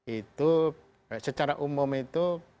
itu secara umum itu